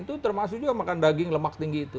itu termasuk juga makan daging lemak tinggi itu